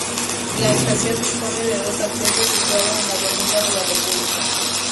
La estación dispone de dos accesos situado en la avenida de la República.